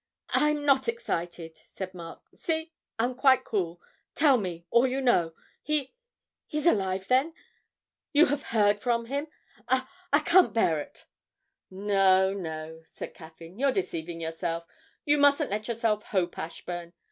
'I'm not excited,' said Mark; 'see I'm quite cool ... tell me all you know. He he's alive then ... you have heard from him? I I can bear it.' 'No, no,' said Caffyn; 'you're deceiving yourself. You mustn't let yourself hope, Ashburn.